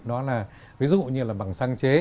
đó là ví dụ như là bằng sáng chế